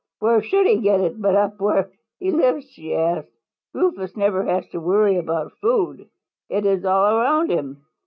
"Where should he get it but up where he lives?" she asked. "Rufous never has to worry about food. It is all around him.